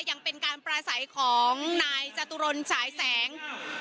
ยังเป็นการปราศัยของนายจตุรนสายแสง